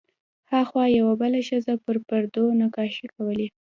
هاخوا یوه بله ښځه پر پردو نقاشۍ کولې.